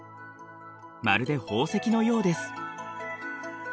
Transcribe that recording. まるで宝石のようです。